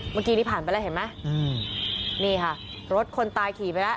เมื่อกี้นี้ผ่านไปแล้วเห็นไหมอืมนี่ค่ะรถคนตายขี่ไปแล้ว